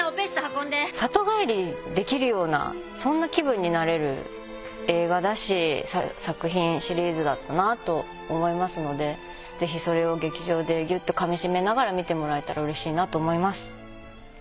里帰りできるようなそんな気分になれる映画だし作品シリーズだったなと思いますのでぜひそれを劇場でぎゅっとかみしめながら見てもらえたらうれしいなと思います。